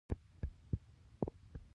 سترګې په تیاره رنګونه ویني.